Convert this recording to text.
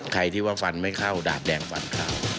ใครที่ว่าฟันไม่เข้าดาบแดงฟันเข้า